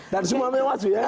dan semua mewah sih ya